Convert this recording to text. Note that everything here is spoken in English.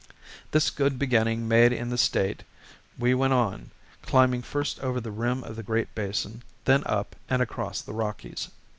This good beginning made in the state, we went on, climbing first over the rim of the Great Basin, then up and across the Rockies.